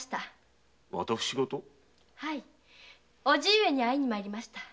伯父上に会いに参りました。